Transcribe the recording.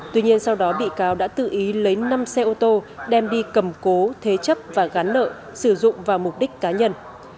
tuy nhiên sau đó bị cáo đã tự ý lấy năm xe ô tô đem đi cầm cố thế chấp và gắn nợ sử dụng vào mục đích cá nhân